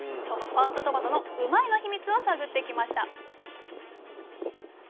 そのファーストトマトのうまいの秘密を探ってきました。